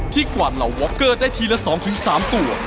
กวาดเหล่าวอคเกอร์ได้ทีละ๒๓ตัว